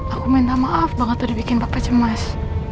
aku minta maaf banget udah bikin papa cemas